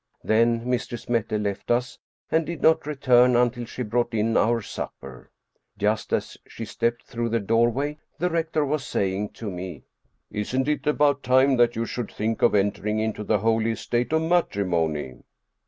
Then Mistress Mette left us and did not return until she brought in our supper. Just as she stepped through the doorway the rector was saying to me, " Isn't it about time that you should think of entering into the holy estate of matrimony